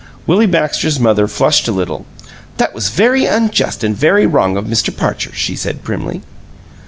Willie Baxter's mother flushed a little. "That was very unjust and very wrong of Mr. Parcher," she said, primly.